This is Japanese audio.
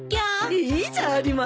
いいじゃありませんか。